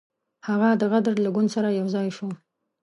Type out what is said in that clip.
هغه د غدر له ګوند سره یو ځای شو.